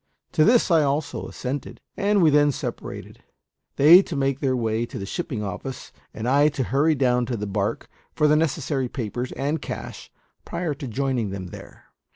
To this I also assented, and we then separated, they to make their way to the shipping office, and I to hurry down to the barque for the necessary papers and cash prior to joining them there.